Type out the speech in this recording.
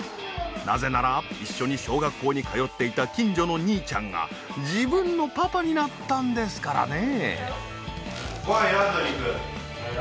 なぜなら一緒に小学校に通っていた近所の兄ちゃんが自分のパパになったんですからね。